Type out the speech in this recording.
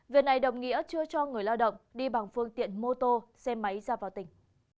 việc này đồng nghĩa chưa cho người lao động đi bằng phương tiện mô tô xe máy ra vào tỉnh